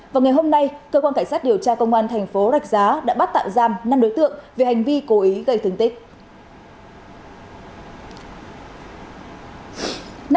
và ngày hôm nay cơ quan cảnh sát điều tra công an tp đạch giá đã bắt tạo giam năm đối tượng về hành vi cố ý gây thương tích